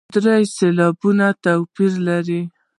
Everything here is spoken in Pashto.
درې سېلابه توپیر لري.